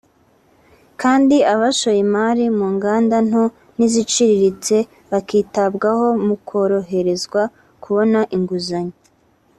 kandi abashoye imari mu nganda nto n’iziciriritse bakitabwaho mu koroherezwa kubona inguzanyo